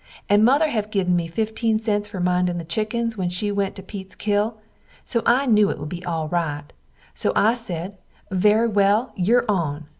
and Mother had give me 15 fer mindin the chikens when she went to Peeks kill, so I new it would be al rite, so I sed very well your on.